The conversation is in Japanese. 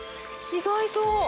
意外と。